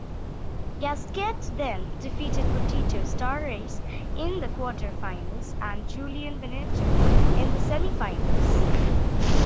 Gasquet then defeated Potito Starace in the quarterfinals and Julien Benneteau in the semifinals.